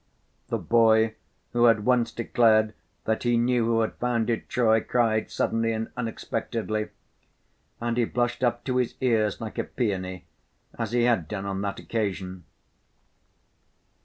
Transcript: the boy, who had once declared that he knew who had founded Troy, cried suddenly and unexpectedly, and he blushed up to his ears like a peony as he had done on that occasion.